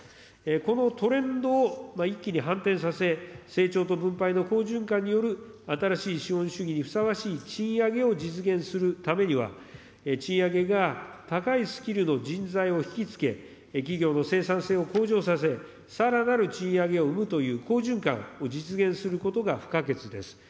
このトレンドを一気に反転させ、成長と分配の好循環による新しい資本主義にふさわしい賃上げを実現するためには、賃上げが高いスキルの人材を引き付け、企業の生産性を向上させ、さらなる賃上げを生むという好循環を実現することが不可欠です。